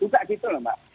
gak gitu loh mbak